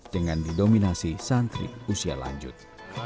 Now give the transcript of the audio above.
dengan didominasi santri usia lanjut